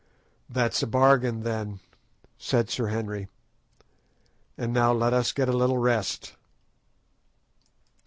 "That's a bargain, then," said Sir Henry; "and now let us get a little rest."